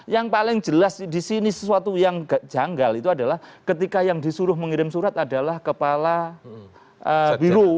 yang paling jelas di sini sesuatu yang janggal itu adalah ketika yang disuruh mengirim surat adalah kepala biro